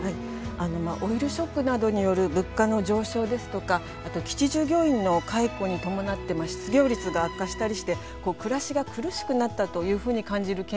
オイルショックなどによる物価の上昇ですとかあと基地従業員の解雇に伴って失業率が悪化したりして暮らしが苦しくなったというふうに感じる県民も多かったんですね。